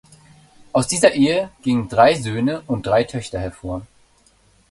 Aus dieser Ehe gingen drei Söhne und drei Töchter hervor.